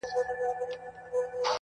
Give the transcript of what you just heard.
ژوند د وېري سيوري للاندي دی,